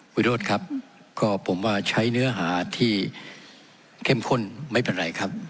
วิโรธครับก็ผมว่าใช้เนื้อหาที่เข้มข้นไม่เป็นไรครับ